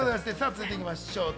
続いていきましょう。